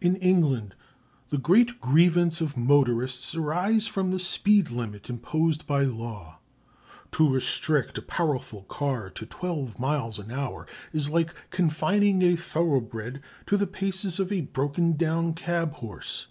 In England the great grievance of motorists arises from the speed limit imposed by law. To restrict a powerful car to twelve miles an hour is like confining a thoroughbred to the paces of a broken down cab horse.